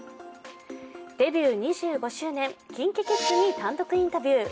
デビュー２５周年、ＫｉｎＫｉＫｉｄｓに単独インタビュー。